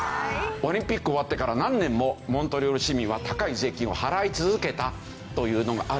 オリンピックが終わってから何年もモントリオール市民は高い税金を払い続けたというのがあるんです。